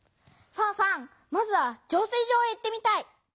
ファンファンまずは浄水場へ行ってみたい。